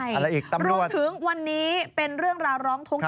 ใช่รวมถึงวันนี้เป็นเรื่องร้อนร้องทุกข์ใช่